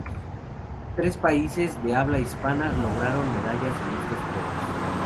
Tres países de habla hispana lograron medallas en estos Juegos.